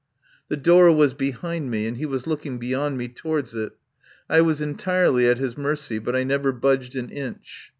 The door was behind me and he was look ing beyond me towards it. I was entirely at his mercy, but I never budged an inch.